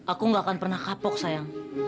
aku gak akan pernah kapok sayang